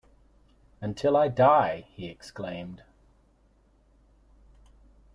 Until I die, he exclaimed.